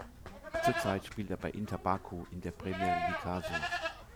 Zurzeit spielt er bei İnter Baku in der Premyer Liqası.